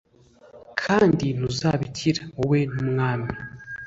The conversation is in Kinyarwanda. kandi ntuzabikira. Wowe n’umwami